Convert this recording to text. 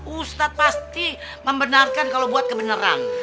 ustadz pasti membenarkan kalau buat kebenaran